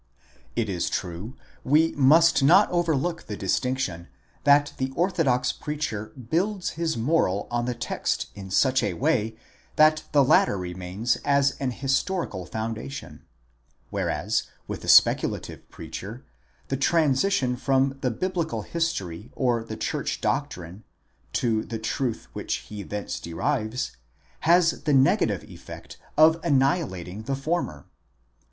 It is true, we must not overlook the distinction, that the orthodox preacher builds 784 τ CONCLUDING DISSERTATION. § 152. his moral on the text in such a way, that the latter remains as an historical foundation ; whereas, with the speculative preacher, the transition from the biblical history or the church doctrine, to the truth which he thence derives, has the negative effect of annihilating the former.